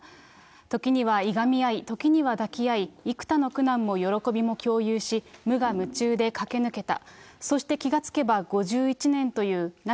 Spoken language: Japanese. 時にはいがみ合い、時には抱き合い、幾多の苦難も喜びも共有し、無我夢中で駆け抜けた。